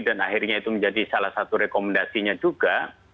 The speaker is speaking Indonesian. dan akhirnya itu menjadi salah satu rekomendasinya juga